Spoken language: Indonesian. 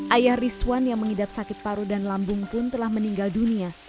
ayah rizwan yang mengidap sakit paru dan lambung pun telah meninggal dunia